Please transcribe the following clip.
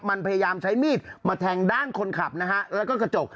มันพยายามใช้มีดมาแทงด้านคนขับเขากระจก